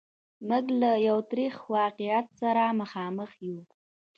موږ له یوه ترخه واقعیت سره مخامخ یو.